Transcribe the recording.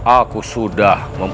aku sudah memperbaiki